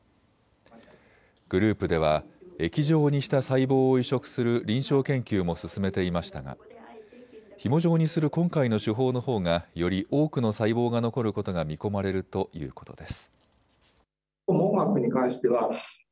グループでは液状にした細胞を移植する臨床研究も進めていましたがひも状にする今回の手法のほうがより多くの細胞が残ることが見込まれるということです。